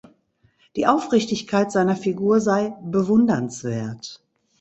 Die Aufrichtigkeit seiner Figur sei „bewundernswert“.